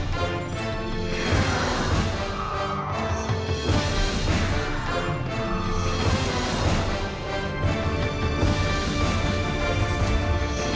เพื่อให้ทุกคนรู้สึกว่าแก้แล้วก็เป็นก้าวสำคัญของเรา